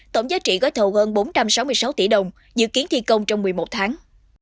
tổng giá trị gói thầu hơn bốn trăm sáu mươi sáu tỷ đồng dự kiến thi công trong một mươi một tháng